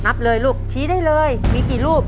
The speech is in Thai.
คุณยายแจ้วเลือกตอบจังหวัดนครราชสีมานะครับ